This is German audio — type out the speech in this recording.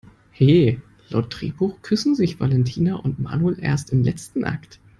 He, laut Drehbuch küssen sich Valentina und Manuel erst im letzten Akt!